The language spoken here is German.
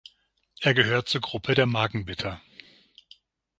Er gehört zur Gruppe der Magenbitter.